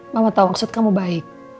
mama tahu maksud kamu baik